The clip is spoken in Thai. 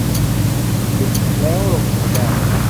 ดึกแล้ว ลงรูปได้